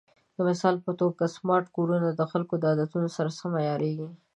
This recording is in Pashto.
د مثال په توګه، سمارټ کورونه د خلکو د عادتونو سره عیارېږي.